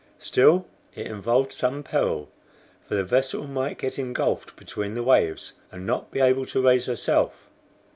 Still it involved some peril, for the vessel might get engulfed between the waves, and not be able to raise herself.